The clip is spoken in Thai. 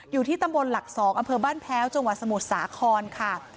อยู่ที่ตำบลหลัก๒อำเภอบ้านแพ้วจังหวัดสมุทรสาครค่ะ